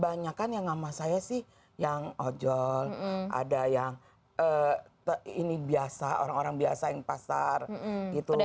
banyak kan yang sama saya sih yang ojol ada yang ini biasa orang orang biasa yang pasar gitu